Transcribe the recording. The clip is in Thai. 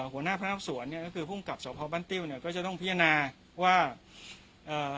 หัวหน้าพนักสวนเนี่ยก็คือภูมิกับสพบ้านติ้วเนี่ยก็จะต้องพิจารณาว่าเอ่อ